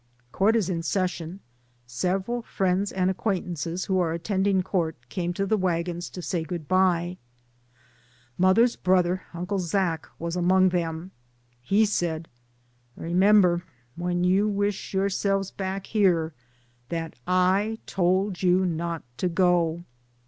Court is in session, several friends and ac quaintances, who are attending court, came to the wagons to say good bye. Mother's brother. Uncle Zack, was among them, he said, "Remember, when you wish yourselves back here, that / told you not to go."